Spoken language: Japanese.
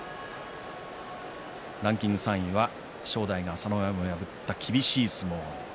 ランキング３位は正代が朝乃山を破った厳しい相撲。